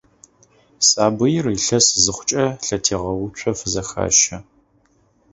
Сабыир илъэс зыхъукӀэ, лъэтегъэуцо фызэхащэ.